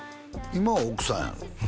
今は奥さんやろ？